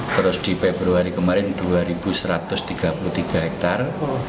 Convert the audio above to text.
terus di februari kemarin dua satu ratus tiga puluh tiga hektare